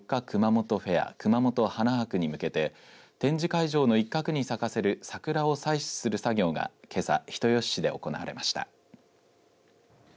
熊本花博に向けて展示会場の一角に咲かせるサクラを採取する作業がけさ人吉市で行われました。